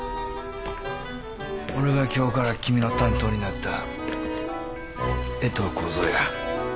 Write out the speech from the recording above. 俺が今日から君の担当になった江藤耕造や。